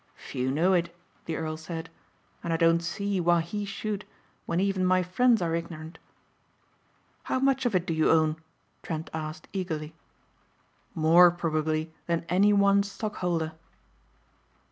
"Few know it," the earl said, "and I don't see why he should when even my friends are ignorant." "How much of it do you own?" Trent asked eagerly. "More probably than any one stockholder."